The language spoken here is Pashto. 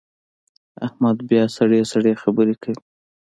احمد بیا سړې سړې خبرې کوي.